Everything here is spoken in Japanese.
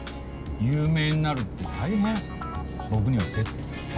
有名になるって大変僕には絶対無理。